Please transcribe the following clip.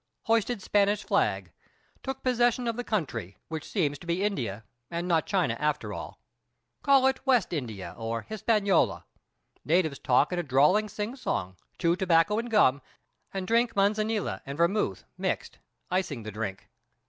Hoisted Spanish flag; took possession of the country, which seems to be India, and not China, after all. Call it West India or Hispaniola. Natives talk in a drawling sing song, chew tobacco and gum, and drink Manzanilla and Vermouth mixed, icing the drink.